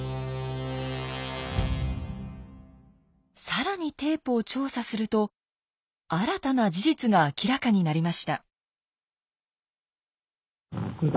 更にテープを調査すると新たな事実が明らかになりました。